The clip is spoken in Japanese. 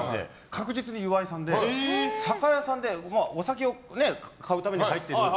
確実に岩井さんで酒屋さんでお酒を買うために入ってる。